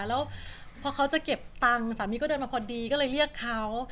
แล้วพอเขาจะเก็บตังค์สามีก็เดินมาพอดีก็เลยเรียกเขา